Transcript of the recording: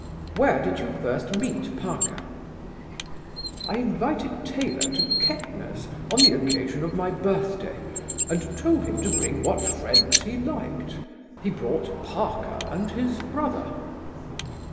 "Where did you first meet Parker?" "I invited Taylor to Kettner's on the occasion of my birthday, and told him to bring what friends he liked. He brought Parker and his brother."